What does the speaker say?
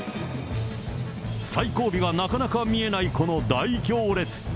最後尾がなかなか見えないこの大行列。